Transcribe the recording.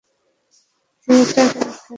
থিয়েটারে, কেন, স্যার?